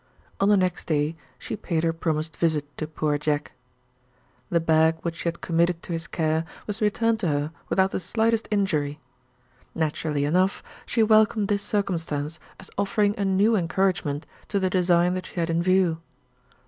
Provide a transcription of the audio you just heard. On the next day, she paid her promised visit to poor Jack. The bag which she had committed to his care was returned to her without the slightest injury. Naturally enough, she welcomed this circumstance as offering a new encouragement to the design that she had in view.